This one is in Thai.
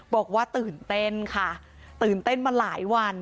บอกว่าตื่นเต้นค่ะตื่นเต้นมาหลายวัน